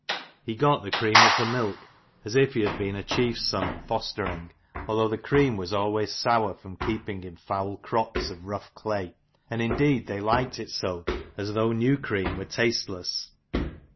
He got the cream of the milk, as if he had been a chiefs son at fostering: although the cream was always sour from keeping in foul crocks of rough clay; and indeed they liked it so, as though new cream were tasteless.